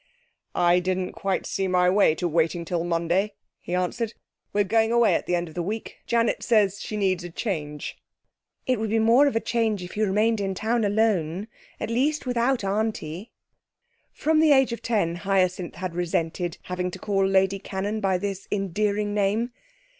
'I didn't quite see my way to waiting till Monday,' he answered. 'We're going away the end of the week. Janet says she needs a change.' 'It would be more of a change if you remained in town alone; at least, without Aunty.' From the age of ten Hyacinth had resented having to call Lady Cannon by this endearing name.